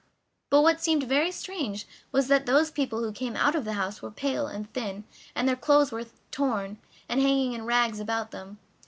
But what seemed very strange was that those people who came out of the house were pale and thin, and their clothes were torn, and hanging in rags about them.